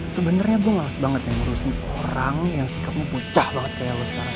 sebenarnya gue malas banget ya ngurusin orang yang sikapnya pucah banget kayak lo sekarang